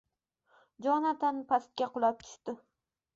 Jonatan pastga qulab tushdi